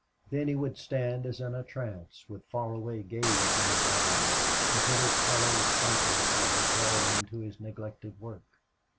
Then he would stand as in a trance, with far away gaze in his eyes, until his fellow spiker would recall him to his neglected work.